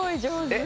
えっ。